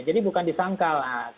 jadi bukan disangkal